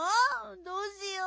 どうしよう？